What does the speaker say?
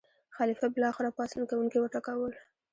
خلیفه بالاخره پاڅون کوونکي وټکول.